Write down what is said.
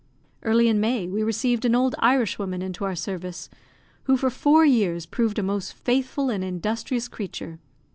Early in May, we received an old Irishwoman into our service, who for four years proved a most faithful and industrious creature.